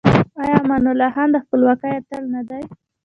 آیا امان الله خان د خپلواکۍ اتل نه دی؟